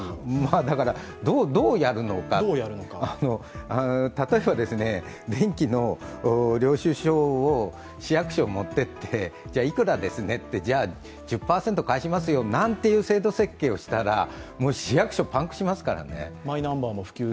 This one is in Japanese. だから、どうやるのか、例えば、電気の領収書を市役所に持っていって、じゃあ、いくらですねって、１０％返しますよなんていう制度設計をしたら市役所パンクしますからね。